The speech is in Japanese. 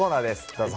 どうぞ。